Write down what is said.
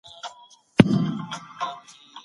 تاسو د خرما په خوړلو اخته یاست.